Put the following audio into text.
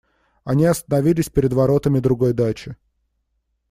Они остановились перед воротами другой дачи.